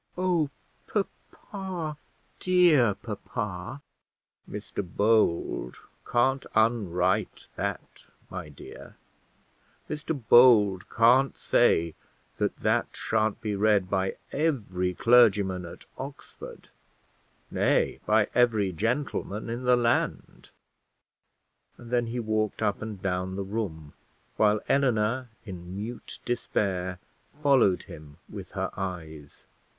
"Oh, papa; dear papa!" "Mr Bold can't un write that, my dear; Mr Bold can't say that that sha'n't be read by every clergyman at Oxford; nay, by every gentleman in the land;" and then he walked up and down the room, while Eleanor in mute despair followed him with her eyes.